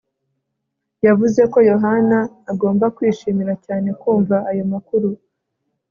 yavuze ko yohana agomba kwishimira cyane kumva ayo makuru